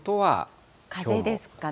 風ですかね。